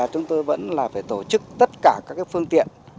chúng tôi vẫn là phải tổ chức tất cả các phương tiện